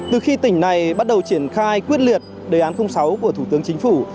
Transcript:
từ khi tỉnh này bắt đầu triển khai quyết liệt đề án sáu của thủ tướng chính phủ